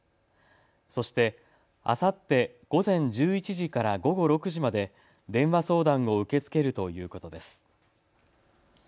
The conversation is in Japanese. そして、あさって午前１１時から午後６時まで電話相談を受け付けるということです。